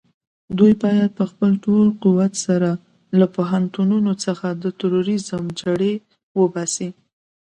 دوی بايد په خپل ټول قوت سره له پوهنتونونو څخه د تروريزم جرړې وباسي.